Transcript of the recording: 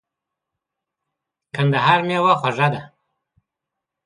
د کندهار مېوه خوږه ده .